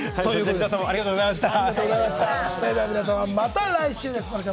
皆さんもありがとうございました。